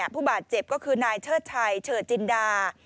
ผู้บาดเจ็บก็คือนายเชิดชัยเฉิดจินดา